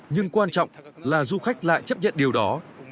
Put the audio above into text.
nhưng quan trọng là du khách lại chấp nhận điều đó